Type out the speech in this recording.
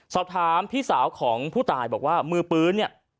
สอบถามพี่สาวของผู้ตายบอกว่ามือปืนเนี่ย